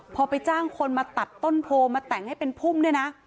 พอไปจ้างคนมาตัดต้นโพมาแต่งให้เป็นพุ่มด้วยนะ